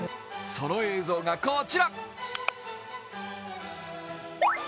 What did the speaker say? その映像がこちら。